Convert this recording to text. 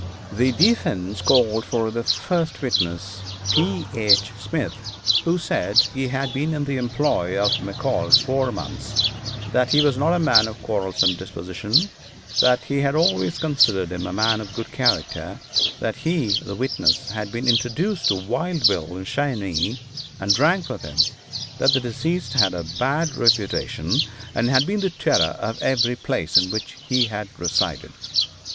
The defense called for the first witness, P. H. Smith, who said he had been in the employ of McCall four months; that he was not a man of quarrelsome disposition; that he had always considered him a man of good character; that he (the witness) had been introduced to Wild Bill in Cheyenne, and drank with him; that the deceased had a bad reputation, and had been the terror of every place in which he had resided.